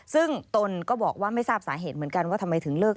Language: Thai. ซึ่งตนก็บอกว่าไม่ทราบสาเหตุเหมือนกันว่าทำไมถึงเลิก